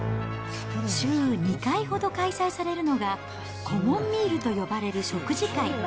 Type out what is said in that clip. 週２回ほど開催されるのが、コモンミールと呼ばれる食事会。